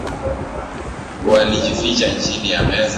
Walijificha chini ya meza.